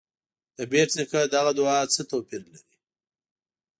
د بېټ نیکه دغه دعا څه توپیر لري.